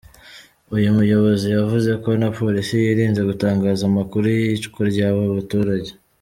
Uyu muyobozi yavuze ko na Polisi yirinze gutangaza amakuru y’iyicwa ry’aba baturage.